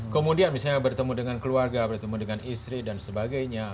kemudian misalnya bertemu dengan keluarga bertemu dengan istri dan sebagainya